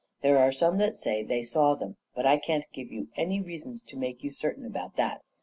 There are some that say they saw them; but I can't give you any reasons to make you certain about that.